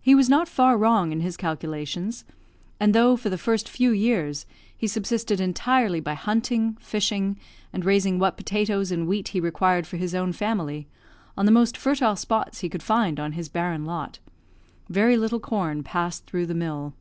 He was not far wrong in his calculations; and though, for the first few years, he subsisted entirely by hunting, fishing, and raising what potatoes and wheat he required for his own family, on the most fertile spots he could find on his barren lot, very little corn passed through the mill.